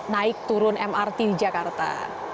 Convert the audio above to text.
naik turun mrt di jakarta